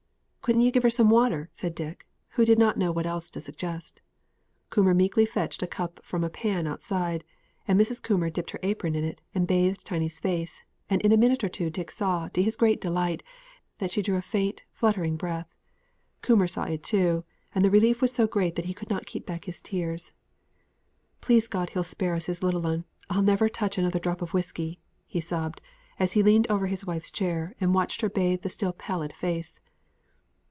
"Couldn't you give her some water?" said Dick, who did not know what else to suggest. Coomber meekly fetched a cupful from the pan outside, and Mrs. Coomber dipped her apron in it, and bathed Tiny's face; and in a minute or two Dick saw, to his great delight, that she drew a faint, fluttering breath. Coomber saw it too, and the relief was so great that he could not keep back his tears. "Please God He'll spare us His little 'un, I'll never touch another drop of whisky," he sobbed, as he leaned over his wife's chair, and watched her bathe the still pallid face.